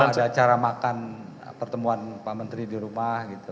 ada acara makan pertemuan pak menteri di rumah gitu